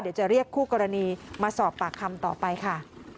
เดี๋ยวจะเรียกคู่กรณีมาสอบปากคำต่อไปค่ะ